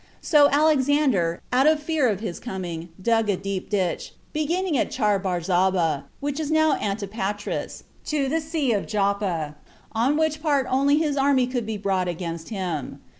So Alexander, out of fear of his coming, dug a deep ditch, beginning at Chabarzaba, which is now called Antipatris, to the sea of Joppa, on which part only his army could be brought against him.